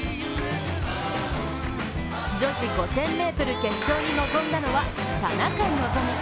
女子５０００ｍ決勝に臨んだのは田中希実。